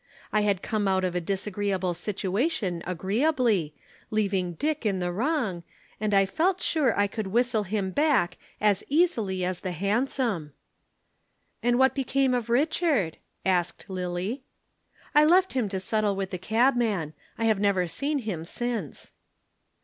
I had come out of a disagreeable situation agreeably, leaving Dick in the wrong, and I felt sure I could whistle him back as easily as the hansom." "And what became of Richard?" asked Lillie. "I left him to settle with the cabman. I have never seen him since."